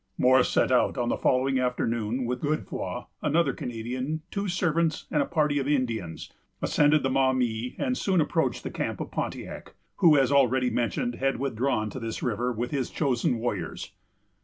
Morris set out on the following afternoon with Godefroy, another Canadian, two servants, and a party of Indians, ascended the Maumee, and soon approached the camp of Pontiac; who, as already mentioned, had withdrawn to this river with his chosen warriors.